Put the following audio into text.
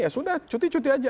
ya sudah cuti cuti aja